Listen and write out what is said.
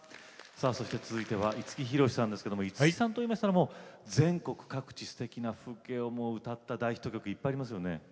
さあそして続いては五木ひろしさんですけども五木さんといいましたらもう全国各地すてきな風景を歌った大ヒット曲いっぱいありますよね。